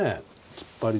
突っ張り。